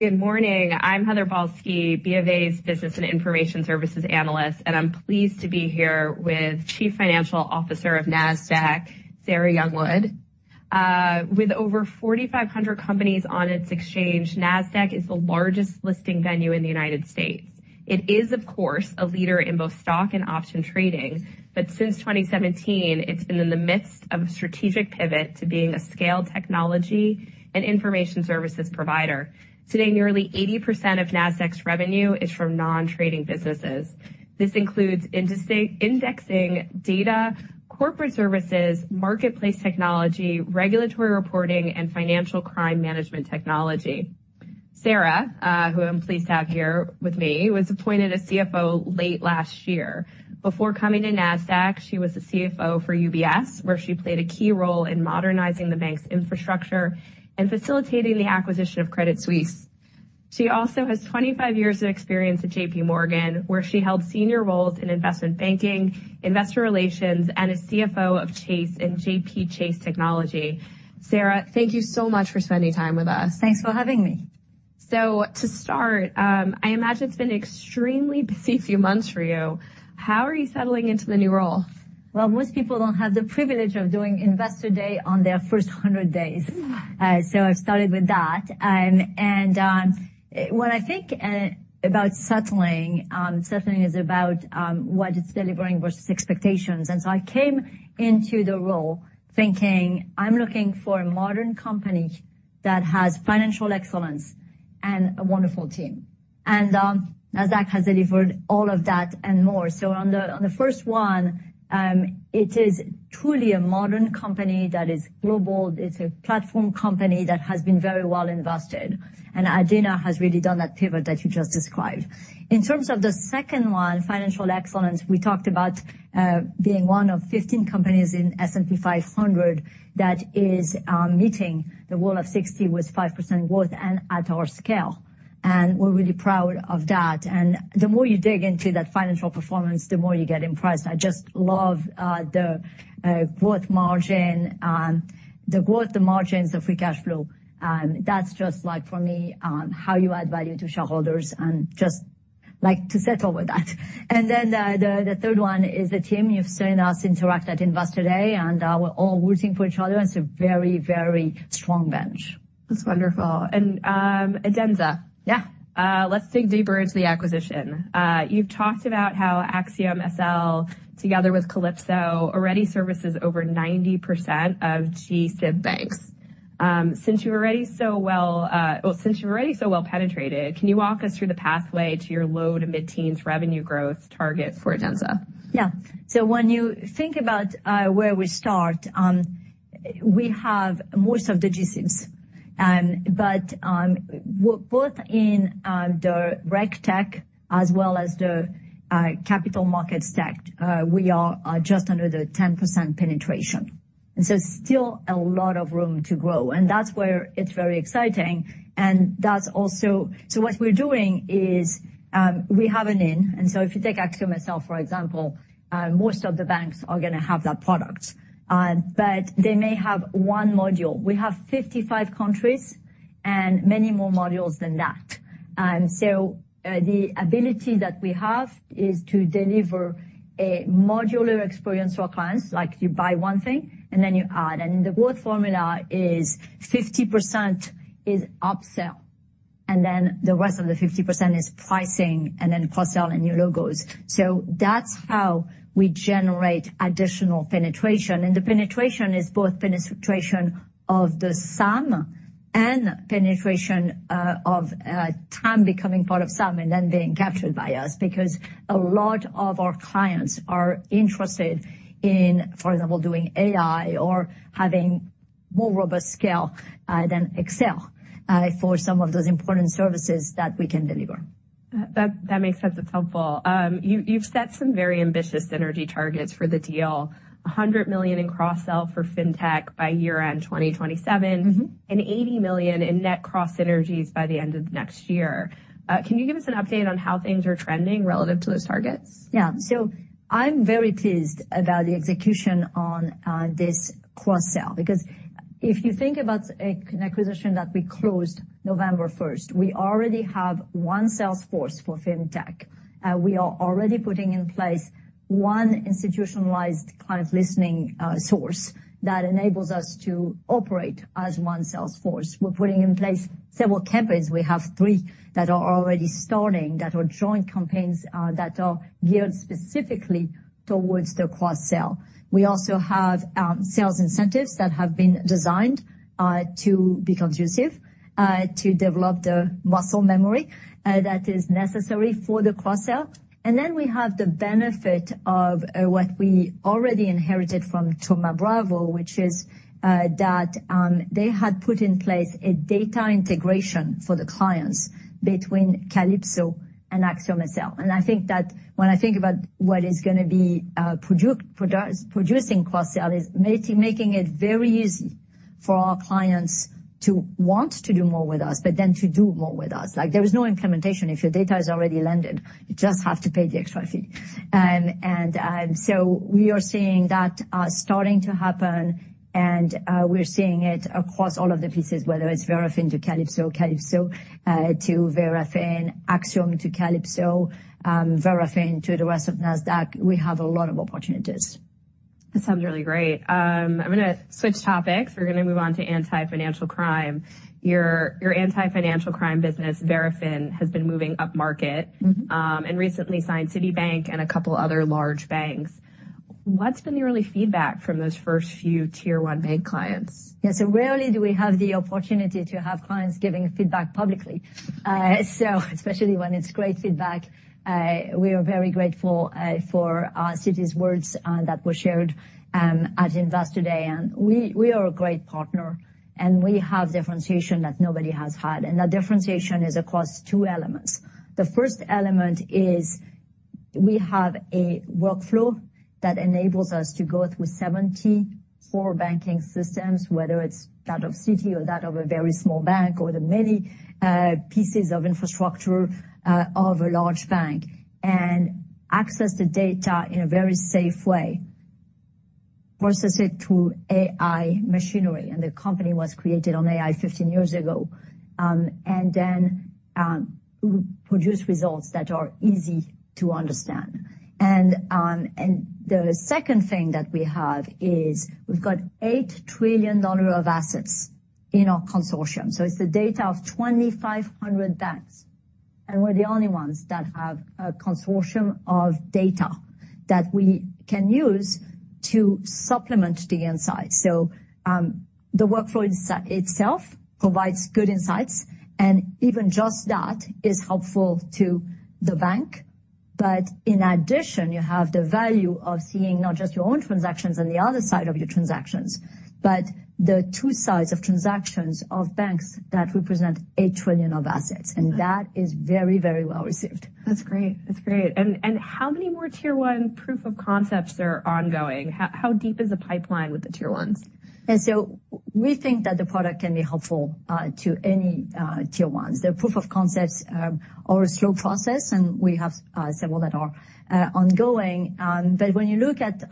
Good morning. I'm Heather Balsky, BofA's Business and Information Services analyst, and I'm pleased to be here with Chief Financial Officer of Nasdaq, Sarah Youngwood. With over 4,500 companies on its exchange, Nasdaq is the largest listing venue in the United States. It is, of course, a leader in both stock and option trading, but since 2017, it's been in the midst of a strategic pivot to being a scale technology and information services provider. Today, nearly 80% of Nasdaq's revenue is from non-trading businesses. This includes indexing, data, corporate services, marketplace technology, regulatory reporting, and financial crime management technology. Sarah, who I'm pleased to have here with me, was appointed a CFO late last year. Before coming to Nasdaq, she was the CFO for UBS, where she played a key role in modernizing the bank's infrastructure and facilitating the acquisition of Credit Suisse. She also has 25 years of experience at JPMorgan, where she held senior roles in investment banking, investor relations, and as CFO of Chase and JP Chase Technology. Sarah, thank you so much for spending time with us. Thanks for having me. So to start, I imagine it's been an extremely busy few months for you. How are you settling into the new role? Well, most people don't have the privilege of doing Investor Day on their first 100 days. Yeah. So I've started with that. When I think about settling, settling is about what is delivering versus expectations. And so I came into the role thinking, I'm looking for a modern company that has financial excellence and a wonderful team. And Nasdaq has delivered all of that and more. So on the first one, it is truly a modern company that is global. It's a platform company that has been very well invested, and Adena has really done that pivot that you just described. In terms of the second one, financial excellence, we talked about being one of 15 companies in S&P 500 that is meeting the Rule of 60 with 5% growth and at our scale, and we're really proud of that. And the more you dig into that financial performance, the more you get impressed. I just love the growth margin, the growth, the margins, the free cash flow. That's just like for me, how you add value to shareholders and just like to settle with that. And then the third one is the team. You've seen us interact at Investor Day, and, we're all rooting for each other. It's a very, very strong bench. That's wonderful. And, Adenza. Yeah. Let's dig deeper into the acquisition. You've talked about how AxiomSL, together with Calypso, already services over 90% of G-SIB banks. Since you're already so well penetrated, can you walk us through the pathway to your low- to mid-teens revenue growth target for Adenza? Yeah. So when you think about where we start, we have most of the G-SIBs, but both in the RegTech as well as the capital markets tech, we are just under the 10% penetration, and so still a lot of room to grow. And that's where it's very exciting, and that's also... So what we're doing is, we have an in, and so if you take AxiomSL, for example, most of the banks are gonna have that product, but they may have one module. We have 55 countries and many more modules than that. So, the ability that we have is to deliver a modular experience for our clients. Like, you buy one thing, and then you add, and the growth formula is 50% is upsell, and then the rest of the 50% is pricing, and then cross-sell and new logos. So that's how we generate additional penetration. And the penetration is both penetration of the sum and penetration of time becoming part of sum and then being captured by us. Because a lot of our clients are interested in, for example, doing AI or having more robust scale than Excel for some of those important services that we can deliver. That makes sense. That's helpful. You've set some very ambitious synergy targets for the deal. $100 million in cross-sell for FinTech by year-end 2027. Mm-hmm. $80 million in net cross synergies by the end of next year. Can you give us an update on how things are trending relative to those targets? Yeah. So I'm very pleased about the execution on this cross-sell, because if you think about an acquisition that we closed November first, we already have one sales force for FinTech. We are already putting in place one institutionalized client listening source that enables us to operate as one sales force. We're putting in place several campaigns. We have three that are already starting, that are joint campaigns that are geared specifically towards the cross-sell. We also have sales incentives that have been designed to be conducive to develop the muscle memory that is necessary for the cross-sell. And then we have the benefit of what we already inherited from Thoma Bravo, which is that they had put in place a data integration for the clients between Calypso and AxiomSL. I think that when I think about what is gonna be producing cross-sell is making it very easy for our clients to want to do more with us, but then to do more with us. Like, there is no implementation. If your data is already integrated, you just have to pay the extra fee. So we are seeing that starting to happen, and we're seeing it across all of the pieces, whether it's Verafin to Calypso, Calypso to Verafin, AxiomSL to Calypso, Verafin to the rest of Nasdaq. We have a lot of opportunities. That sounds really great. I'm gonna switch topics. We're gonna move on to anti-financial crime. Your, your anti-financial crime business, Verafin, has been moving upmarket- Mm-hmm. and recently signed Citibank and a couple of other large banks. What's been the early feedback from those first few Tier 1 bank clients? Yeah, so rarely do we have the opportunity to have clients giving feedback publicly. Especially when it's great feedback, we are very grateful for Citi's words that were shared at Investor Day. We are a great partner, and we have differentiation that nobody has had, and that differentiation is across two elements. The first element is we have a workflow that enables us to go through 74 banking systems, whether it's that of Citi or that of a very small bank or the many pieces of infrastructure of a large bank, and access the data in a very safe way, process it through AI machinery, and the company was created on AI 15 years ago, and then produce results that are easy to understand. The second thing that we have is we've got $8 trillion of assets in our consortium. So it's the data of 2,500 banks, and we're the only ones that have a consortium of data that we can use to supplement the insight. The workflow itself provides good insights, and even just that is helpful to the bank. But in addition, you have the value of seeing not just your own transactions on the other side of your transactions, but the two sides of transactions of banks that represent $8 trillion of assets, and that is very, very well received. That's great. That's great. And how many more Tier 1 proof of concepts are ongoing? How deep is the pipeline with the Tier 1s? We think that the product can be helpful to any Tier 1s. The proof of concepts are our slow process, and we have several that are ongoing. But when you look at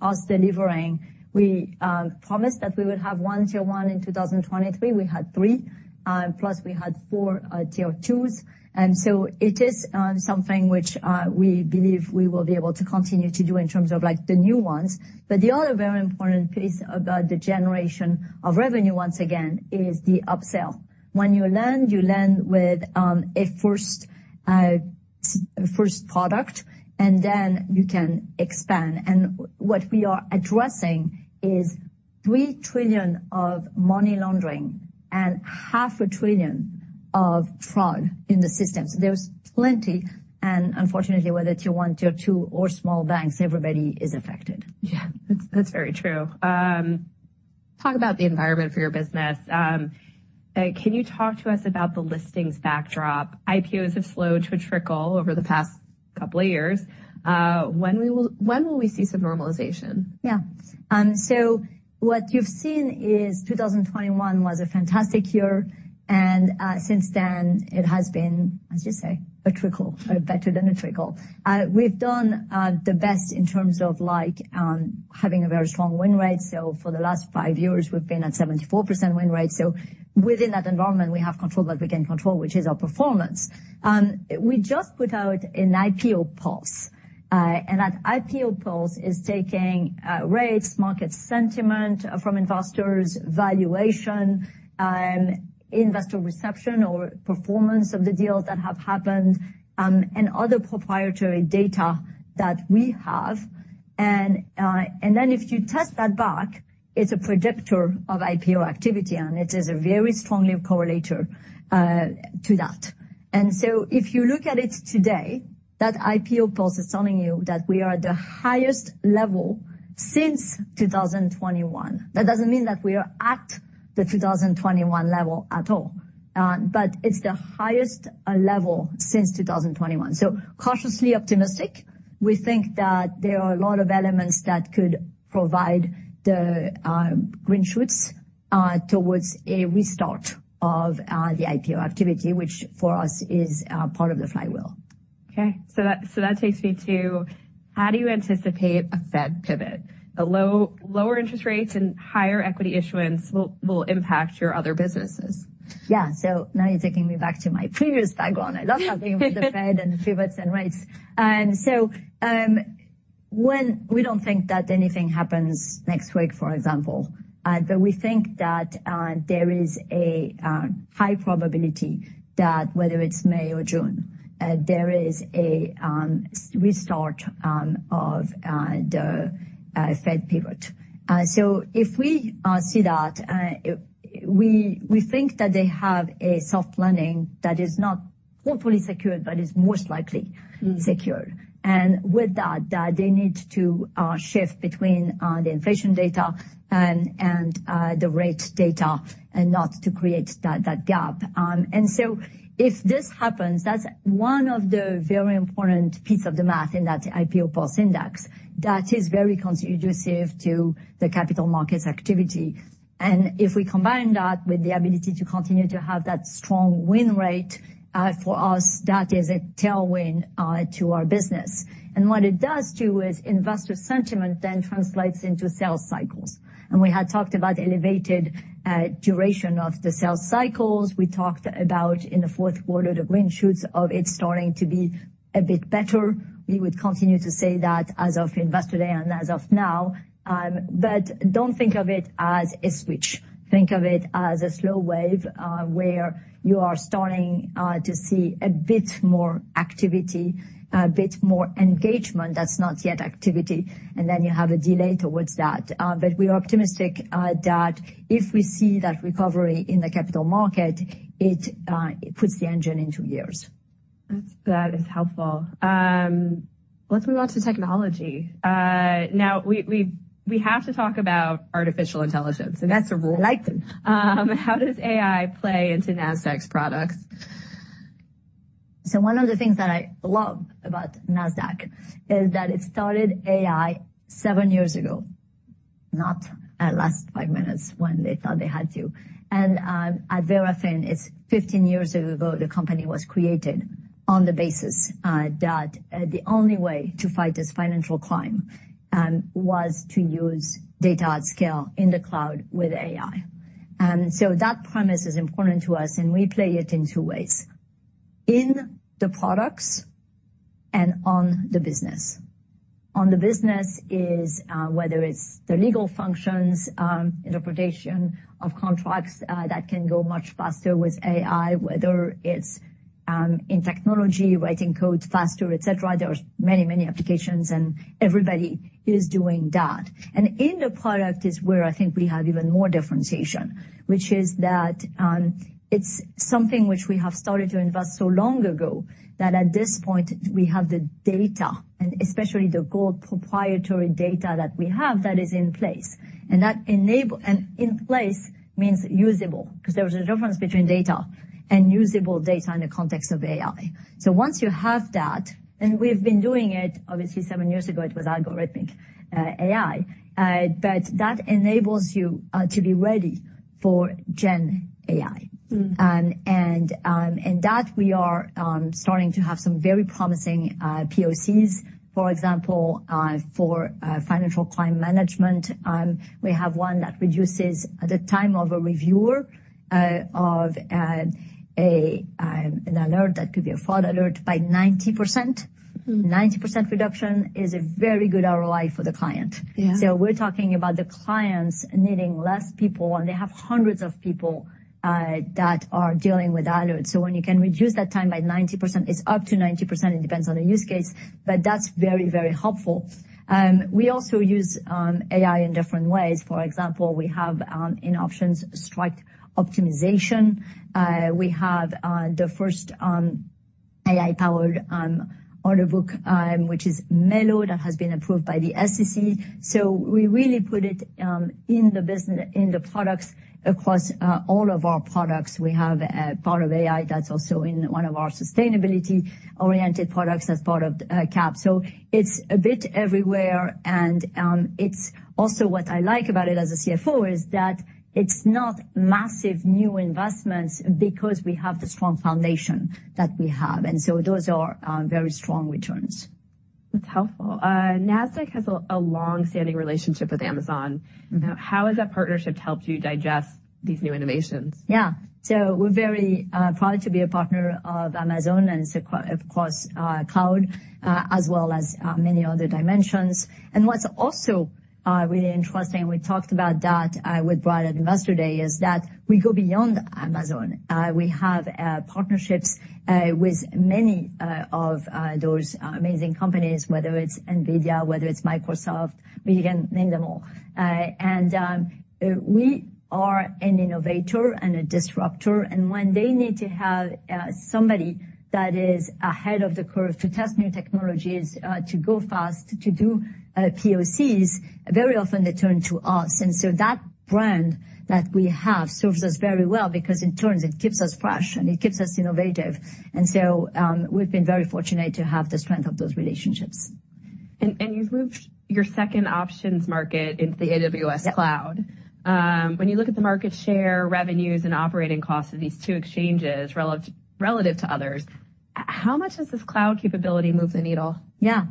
us delivering, we promised that we would have one Tier 1 in 2023. We had three, plus we had four Tier 2s, and so it is something which we believe we will be able to continue to do in terms of, like, the new ones. But the other very important piece about the generation of revenue once again, is the upsell. When you lend, you lend with a first product, and then you can expand. What we are addressing is $3 trillion of money laundering and $0.5 trillion of fraud in the system. There's plenty, and unfortunately, whether Tier 1, Tier 2, or small banks, everybody is affected. Yeah, that's, that's very true. Talk about the environment for your business. Can you talk to us about the listings backdrop? IPOs have slowed to a trickle over the past couple of years. When will we see some normalization? Yeah. So what you've seen is 2021 was a fantastic year, and since then, it has been, as you say, a trickle, better than a trickle. We've done the best in terms of like having a very strong win rate. So for the last five years, we've been at 74% win rate. So within that environment, we have control that we can control, which is our performance. We just put out an IPO Pulse, and that IPO Pulse is taking rates, market sentiment from investors, valuation, investor reception or performance of the deals that have happened, and other proprietary data that we have. And, and then if you backtest that, it's a predictor of IPO activity, and it is a very strong correlator to that. If you look at it today, that IPO Pulse is telling you that we are at the highest level since 2021. That doesn't mean that we are at the 2021 level at all, but it's the highest level since 2021. Cautiously optimistic, we think that there are a lot of elements that could provide the green shoots towards a restart of the IPO activity, which for us is part of the flywheel. Okay. So that takes me to: How do you anticipate a Fed pivot? Lower interest rates and higher equity issuance will impact your other businesses. Yeah. So now you're taking me back to my previous tagline. I love talking about the Fed and the pivots and rates. And so, when we don't think that anything happens next week, for example, but we think that there is a high probability that whether it's May or June, there is a restart of the Fed pivot. So if we see that, we think that they have a soft landing that is hopefully secured, but is most likely secured. And with that, that they need to shift between the inflation data and the rate data and not to create that gap. And so if this happens, that's one of the very important piece of the math in that IPO Pulse Index that is very conducive to the capital markets activity. And if we combine that with the ability to continue to have that strong win rate, for us, that is a tailwind, to our business. And what it does, too, is investor sentiment then translates into sales cycles. And we had talked about elevated, duration of the sales cycles. We talked about in the fourth quarter, the green shoots of it starting to be a bit better. We would continue to say that as of Investor Day and as of now, but don't think of it as a switch. Think of it as a slow wave, where you are starting to see a bit more activity, a bit more engagement that's not yet activity, and then you have a delay towards that. But we are optimistic that if we see that recovery in the capital market, it puts the engine into gears. That is helpful. Let's move on to technology. Now we have to talk about artificial intelligence, and that's a rule. I like them. How does AI play into Nasdaq's products? So one of the things that I love about Nasdaq is that it started AI seven years ago, not at last five minutes when they thought they had to. And at Verafin, it's 15 years ago, the company was created on the basis that the only way to fight this financial crime was to use data at scale in the cloud with AI. And so that premise is important to us, and we play it in two ways: in the products and on the business. On the business is whether it's the legal functions, interpretation of contracts that can go much faster with AI, whether it's in technology, writing code faster, et cetera. There are many, many applications, and everybody is doing that. In the product is where I think we have even more differentiation, which is that, it's something which we have started to invest so long ago, that at this point, we have the data, and especially the gold proprietary data that we have that is in place. And in place means usable, 'cause there is a difference between data and usable data in the context of AI. So once you have that, and we've been doing it. Obviously, seven years ago, it was algorithmic AI. But that enables you to be ready for Gen AI. Mm. And, in that, we are starting to have some very promising POCs, for example, for financial crime management. We have one that reduces the time of a reviewer of an alert that could be a fraud alert by 90%. Mm. 90% reduction is a very good ROI for the client. Yeah. So we're talking about the clients needing less people, and they have hundreds of people that are dealing with alerts. So when you can reduce that time by 90%, it's up to 90%, it depends on the use case, but that's very, very helpful. We also use AI in different ways. For example, we have in options, strike optimization. We have the first AI-powered order book, which is M-ELO, that has been approved by the SEC. So we really put it in the business, in the products. Across all of our products, we have a part of AI that's also in one of our sustainability-oriented products as part of CAP. So it's a bit everywhere, and it's also what I like about it as a CFO, is that it's not massive new investments because we have the strong foundation that we have, and so those are very strong returns. That's helpful. Nasdaq has a long-standing relationship with Amazon. Mm-hmm. How has that partnership helped you digest these new innovations? Yeah. So we're very proud to be a partner of Amazon, and it's across, of course, cloud, as well as many other dimensions. And what's also really interesting, we talked about that with Brian at Investor Day, is that we go beyond Amazon. We have partnerships with many of those amazing companies, whether it's NVIDIA, whether it's Microsoft, well, you can name them all. And we are an innovator and a disruptor, and when they need to have somebody that is ahead of the curve to test new technologies, to go fast, to do POCs, very often they turn to us. And so that brand that we have serves us very well because, in turn, it keeps us fresh and it keeps us innovative, and so we've been very fortunate to have the strength of those relationships. You've moved your second options market into the AWS- Yep... cloud. When you look at the market share, revenues, and operating costs of these two exchanges relative to others... How much does this cloud capability move the needle? Yeah.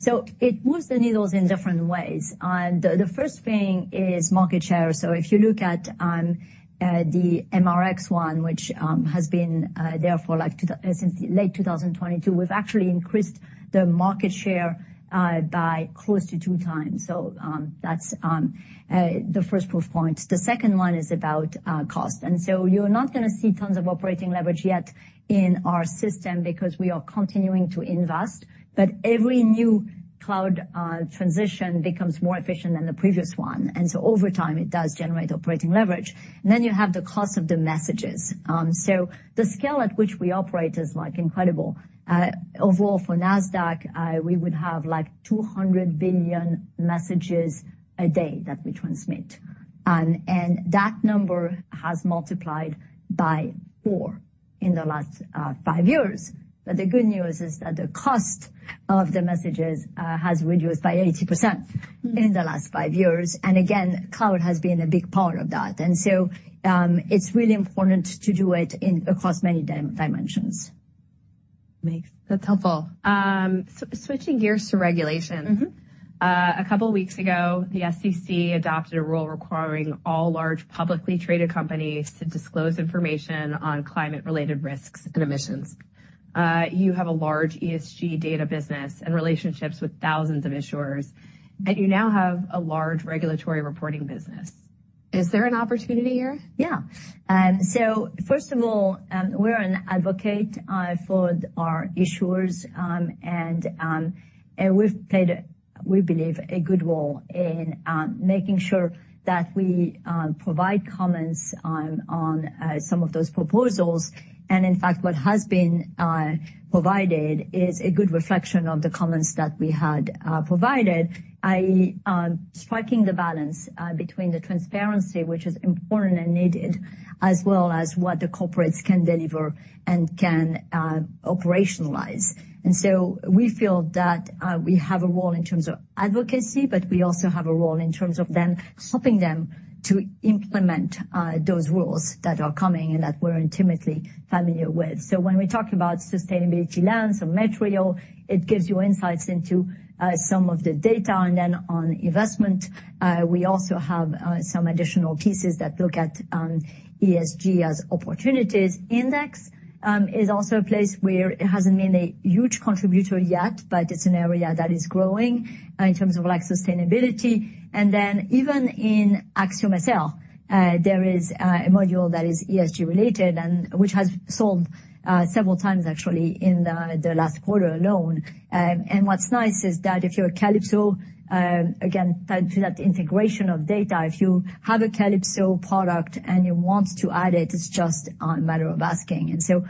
So it moves the needles in different ways. The first thing is market share. So if you look at the MRX one, which has been there since late 2022, we've actually increased the market share by close to 2 times. So that's the first proof point. The second one is about cost. And so you're not gonna see tons of operating leverage yet in our system because we are continuing to invest. But every new cloud transition becomes more efficient than the previous one, and so over time, it does generate operating leverage. And then you have the cost of the messages. So the scale at which we operate is, like, incredible. Overall, for Nasdaq, we would have, like, 200 billion messages a day that we transmit. And that number has multiplied by four in the last five years. But the good news is that the cost of the messages has reduced by 80% in the last five years. And again, cloud has been a big part of that. And so, it's really important to do it across many dimensions. That's helpful. Switching gears to regulation. Mm-hmm. A couple of weeks ago, the SEC adopted a rule requiring all large publicly traded companies to disclose information on climate-related risks and emissions. You have a large ESG data business and relationships with thousands of issuers, and you now have a large regulatory reporting business. Is there an opportunity here? Yeah. So first of all, we're an advocate for our issuers, and we've played, we believe, a good role in making sure that we provide comments on some of those proposals. And in fact, what has been provided is a good reflection of the comments that we had provided, i.e., striking the balance between the transparency, which is important and needed, as well as what the corporates can deliver and can operationalize. And so we feel that we have a role in terms of advocacy, but we also have a role in terms of helping them to implement those rules that are coming and that we're intimately familiar with. So when we talk about Sustainability Lens or Metrio, it gives you insights into some of the data. And then on investment, we also have some additional pieces that look at ESG as opportunities. Index is also a place where it hasn't been a huge contributor yet, but it's an area that is growing in terms of, like, sustainability. And then even in Axiom itself, there is a module that is ESG related and which has sold several times, actually, in the last quarter alone. And what's nice is that if you're a Calypso, again, tied to that integration of data, if you have a Calypso product and you want to add it, it's just a matter of asking. And so,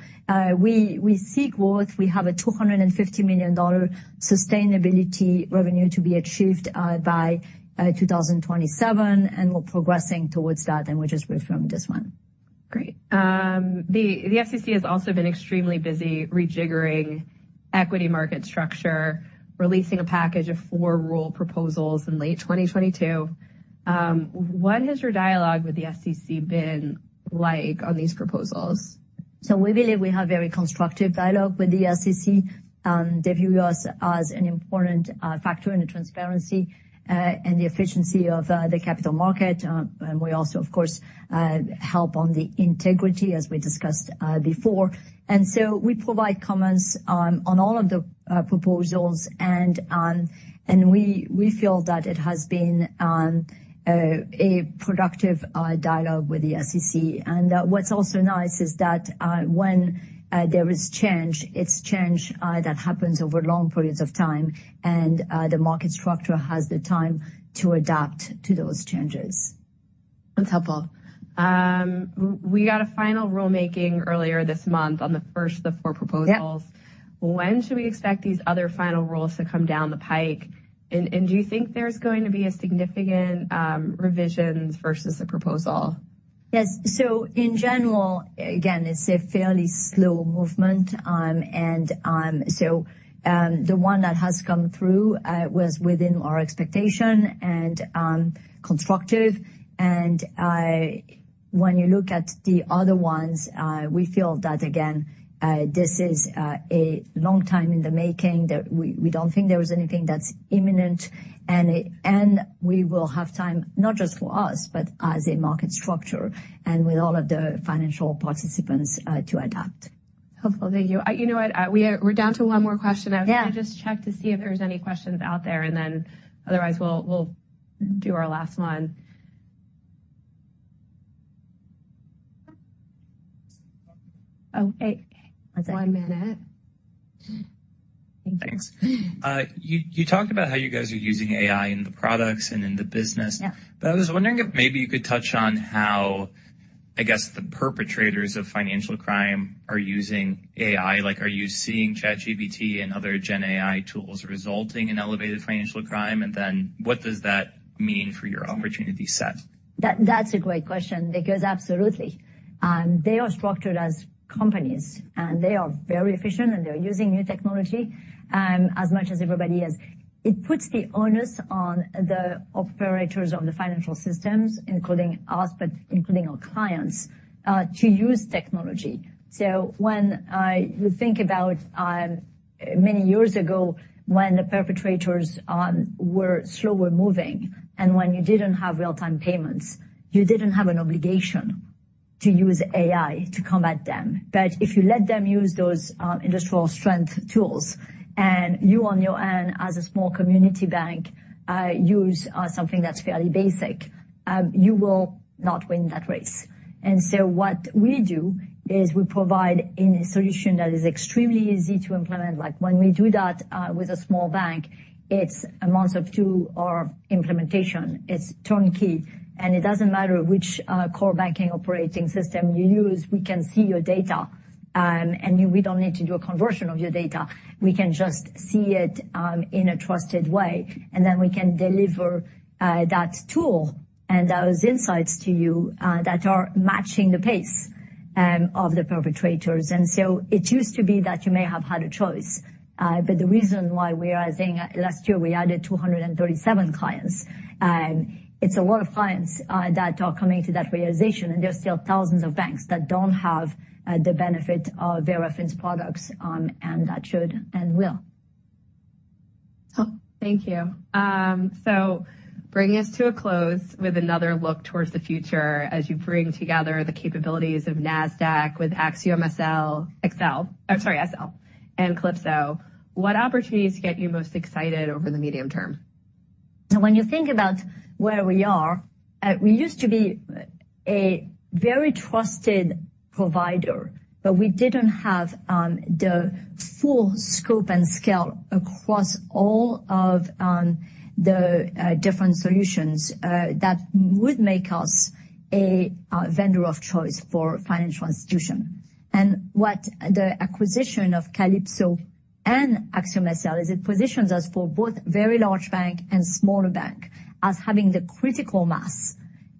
we seek growth. We have a $250 million sustainability revenue to be achieved by 2027, and we're progressing towards that, and we just reaffirmed this one. Great. The SEC has also been extremely busy rejiggering equity market structure, releasing a package of four rule proposals in late 2022. What has your dialogue with the SEC been like on these proposals? So we believe we have very constructive dialogue with the SEC. They view us as an important factor in the transparency and the efficiency of the capital market. And we also, of course, help on the integrity, as we discussed before. And so we provide comments on all of the proposals, and we feel that it has been a productive dialogue with the SEC. And what's also nice is that when there is change, it's change that happens over long periods of time, and the market structure has the time to adapt to those changes. That's helpful. We got a final rulemaking earlier this month on the first of the four proposals. Yep. When should we expect these other final rules to come down the pike? And do you think there's going to be a significant revisions versus the proposal? Yes. So in general, again, it's a fairly slow movement. The one that has come through was within our expectation and constructive. And when you look at the other ones, we feel that, again, this is a long time in the making, that we, we don't think there is anything that's imminent. And we will have time, not just for us, but as a market structure and with all of the financial participants to adapt. Hopefully. Thank you. You know what? We're down to one more question. Yeah. Let me just check to see if there's any questions out there, and then otherwise, we'll, we'll do our last one. Oh, wait one minute. Thank you. Thanks. You talked about how you guys are using AI in the products and in the business. Yeah. I was wondering if maybe you could touch on how, I guess, the perpetrators of financial crime are using AI. Like, are you seeing ChatGPT and other gen AI tools resulting in elevated financial crime? And then what does that mean for your opportunity set? That's a great question because absolutely, they are structured as companies, and they are very efficient, and they're using new technology, as much as everybody is. It puts the onus on the operators of the financial systems, including us, but including our clients, to use technology. So when you think about many years ago, when the perpetrators were slower moving, and when you didn't have real-time payments, you didn't have an obligation to use AI to combat them. But if you let them use those industrial strength tools, and you on your end, as a small community bank, use something that's fairly basic, you will not win that race. And so what we do is we provide in a solution that is extremely easy to implement. Like, when we do that, with a small bank, it's a month or two of implementation. It's turnkey, and it doesn't matter which, core banking operating system you use, we can see your data. And we don't need to do a conversion of your data. We can just see it, in a trusted way, and then we can deliver, that tool and those insights to you, that are matching the pace, of the perpetrators. And so it used to be that you may have had a choice, but the reason why we are saying last year we added 237 clients, it's a lot of clients, that are coming to that realization, and there are still thousands of banks that don't have, the benefit of Verafin’s products, and that should and will. Thank you. So bringing us to a close with another look toward the future as you bring together the capabilities of Nasdaq with AxiomSL and Calypso. What opportunities get you most excited over the medium term? So when you think about where we are, we used to be a very trusted provider, but we didn't have the full scope and scale across all of the different solutions that would make us a vendor of choice for financial institution. And what the acquisition of Calypso and AxiomSL is it positions us for both very large bank and smaller bank as having the critical mass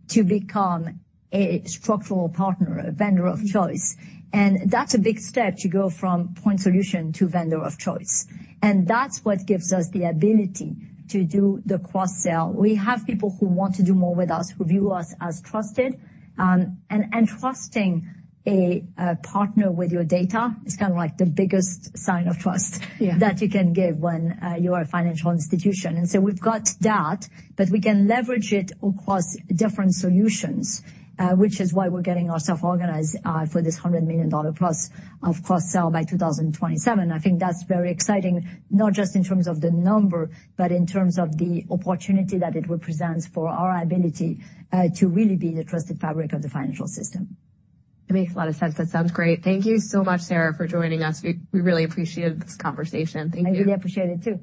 to become a structural partner, a vendor of choice. And that's a big step to go from point solution to vendor of choice, and that's what gives us the ability to do the cross-sell. We have people who want to do more with us, who view us as trusted, and trusting a partner with your data is kinda like the biggest sign of trust - Yeah. -that you can give when you are a financial institution. And so we've got that, but we can leverage it across different solutions, which is why we're getting ourself organized, for this $100 million plus of cross sell by 2027. I think that's very exciting, not just in terms of the number, but in terms of the opportunity that it represents for our ability, to really be the trusted fabric of the financial system. It makes a lot of sense. That sounds great. Thank you so much, Sarah, for joining us. We really appreciate this conversation. Thank you. I really appreciate it, too.